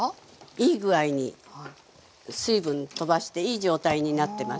いい具合に水分飛ばしていい状態になってます。